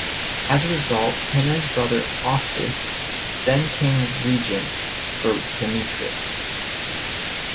As a result, Henry's brother Eustace then became regent for Demetrius.